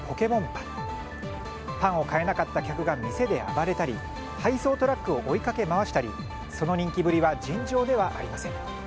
パンを買えなかった客が店で暴れたり配送トラックを追いかけまわしたりその人気ぶりは尋常ではありません。